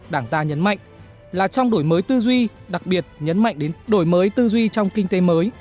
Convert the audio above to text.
đảng ta nhấn mạnh là trong đổi mới tư duy đặc biệt nhấn mạnh đến đổi mới tư duy trong kinh tế mới